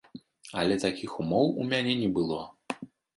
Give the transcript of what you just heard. Але такіх ўмоў у мяне не было.